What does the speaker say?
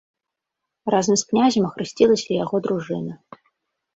Разам з князем ахрысцілася і яго дружына.